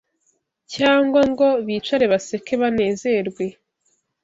cyangwa ngo bicare baseke banezerwe.